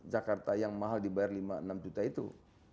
jakarta yang mahal dibayar lima enam juta itu